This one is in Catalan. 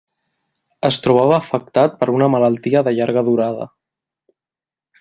Es trobava afectat per una malaltia de llarga durada.